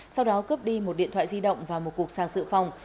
sau đó cướp đi một điện thoại di động và một cục sạc dự phòng